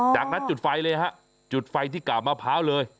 จากนั้นจุดไฟเลยฮะจุดไฟที่กาบมะพร้าวเลย